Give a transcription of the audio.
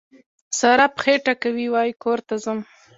سارا پښې ټکوي؛ وای کور ته ځم.